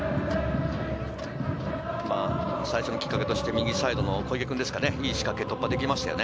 最初のきっかけとして右サイドの小池君、いい仕掛け、突破できましたよね。